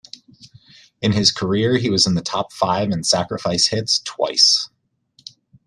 In his career, he was in the top five in sacrifice hits twice.